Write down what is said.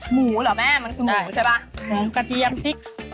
หมูกระเทียมพริก